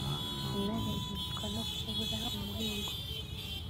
intare yicwa no kubura umuhigo